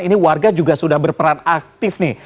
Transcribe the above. ini warga juga sudah berperan aktif nih